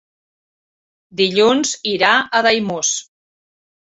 Dilluns irà a Daimús.